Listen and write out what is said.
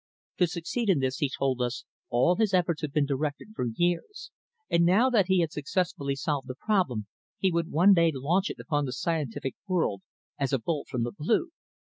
To succeed in this, he told us, all his efforts had been directed for years, and now that he had successfully solved the problem he would one day launch it upon the scientific world as a bolt from the blue.